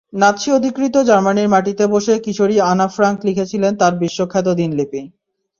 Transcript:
Nazi অধিকৃত জার্মানির মাটিতে বসে কিশোরী আনা ফ্রাঙ্ক লিখেছিলেন তাঁর বিশ্বখ্যাত দিনলিপি।